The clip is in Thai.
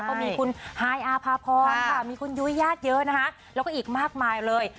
ก็มีคุณฮายอาภาพรค่ะมีคุณยุ้ยญาติเยอะนะคะแล้วก็อีกมากมายเลย